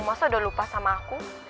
masa udah lupa sama aku